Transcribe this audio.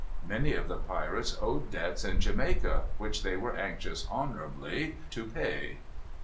Many of the pirates owed debts in Jamaica, which they were anxious honorably to pay.